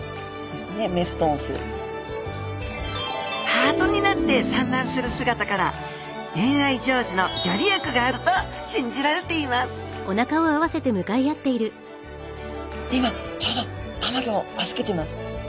ハートになって産卵する姿から恋愛成就のギョ利益があると信じられていますで今ちょうど卵を預けています。